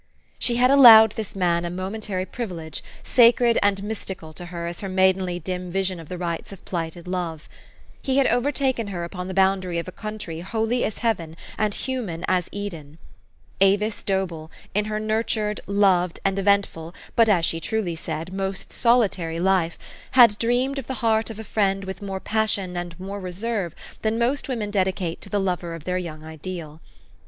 She had ah 1 owed this man a momentary privilege, sacred and mystical to her as her maidenly dim vision of the rights of plighted love. He had overtaken her upon the boundary of a country holy as heaven, and human as Eden. Avis Dobell, in her nurtured, loved, and eventful, but, as she truly said, most solitary life, had dreamed of the heart of a friend with more passion and more reserve than most women dedicate to the lover of their young ideal.